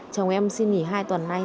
chồng em sinh nghỉ hai tuần nay